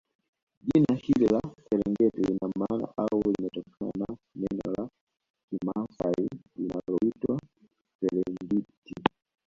Jina hili la Serengeti lina maana au limetokana na neno la kimasai linaloitwa Serengiti